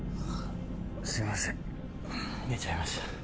すいません寝ちゃいました